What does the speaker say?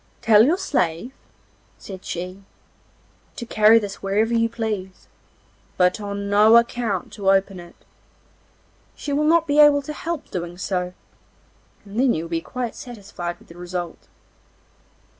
'Tell your slave,' said he, 'to carry this wherever you please, but on no account to open it. She will not be able to help doing so, and then you will be quite satisfied with the result.